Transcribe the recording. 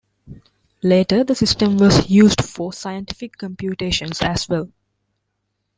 Later, the system was used for scientific computations as well.